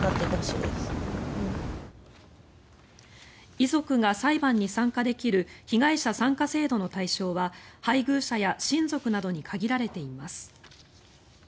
遺族が裁判に参加できる被害者参加制度の対象は配偶者や親族などに限られています。